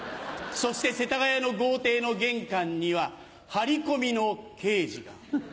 そして世田谷の豪邸の玄関には張り込みの刑事が。